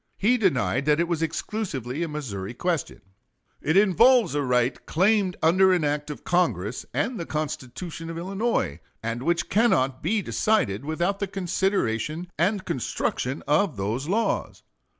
He denied that it was exclusively a Missouri question. 19 Howard, pp. 555 64. It involves a right claimed under an act of Congress and the Constitution of Illinois, and which cannot be decided without the consideration and construction of those laws....